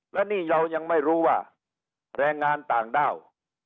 และนี่เรายังไม่รู้ว่าแรงงานต่างด้าว